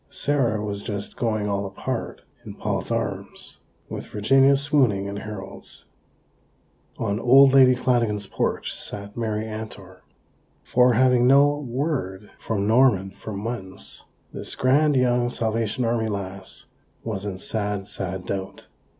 Sarah was just "going all apart" in Paul's arms, with Virginia swooning in Harold's. On old Lady Flanagan's porch sat Mary Antor; for, having had no word from Norman for months, this grand young Salvation Army lass was in sad, sad doubt.